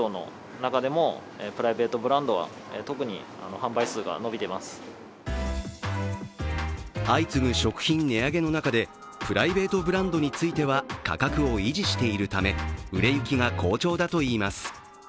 こうした中、売れているのが相次ぐ食品値上げの中でプライベートブランドについては価格を維持しているため売れ行きが好調だといいます。